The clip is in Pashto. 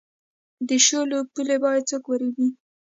د شولو پولې باید څوک وریبي؟